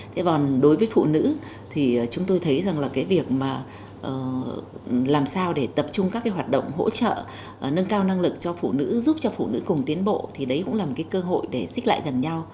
thế còn đối với phụ nữ thì chúng tôi thấy rằng là cái việc mà làm sao để tập trung các cái hoạt động hỗ trợ nâng cao năng lực cho phụ nữ giúp cho phụ nữ cùng tiến bộ thì đấy cũng là một cái cơ hội để xích lại gần nhau